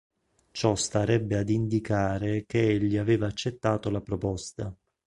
Ciò starebbe ad indicare che egli aveva accettato la proposta.